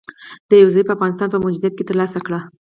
د یو ضعیفه افغانستان په موجودیت کې تر لاسه کړي